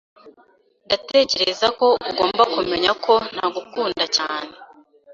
Ndatekereza ko ugomba kumenya ko ntagukunda cyane.